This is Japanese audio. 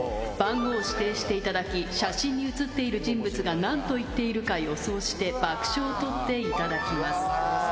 番号を指定していただき写真に写っている人物が何と言っているか予想して爆笑をとっていただきます。